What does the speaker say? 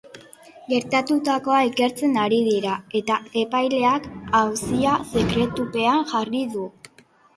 Gertatutakoa ikertzen ari dira eta epaileak auzia sekretupean jarri du.